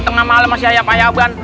tengah malem masih ayam ayam kan